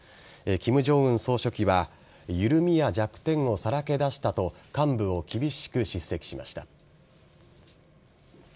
金正恩総書記は緩みや弱点をさらけ出したと幹部を厳しく叱責しました。